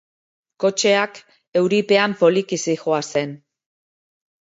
Kotxeak euripean poliki zihoazen.